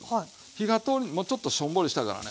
火が通りもうちょっとしょんぼりしたからね